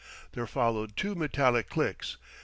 There followed two metallic clicks.